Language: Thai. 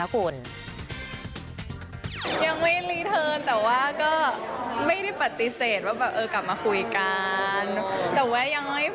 คุณผู้ชมค่ะช่วงนี้อยากจะนั่งพับเพียบคุณผ